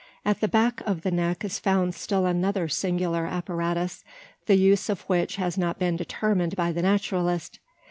At the back of the neck is found still another singular apparatus the use of which has not been determined by the naturalist.